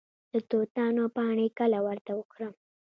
د توتانو پاڼې کله ورته ورکړم؟